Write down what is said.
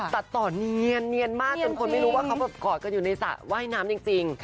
ตัดต่อเนียนมากจนคนไม่รู้ว่าเขาแบบกอดกันอยู่ในสระว่ายน้ำจริง